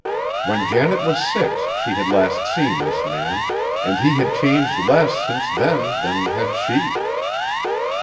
When Janet was six she had last seen this man, and he had changed less since then than had she.